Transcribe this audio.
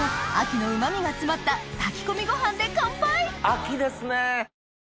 秋ですね。